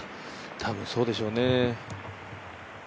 多分、そうでしょうね。